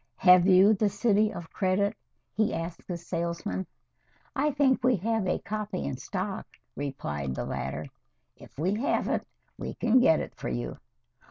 "Have you 'The City of Credit'?" he asked the salesman. "I think we have a copy in stock," replied the latter. "If we haven't, we can get it for you."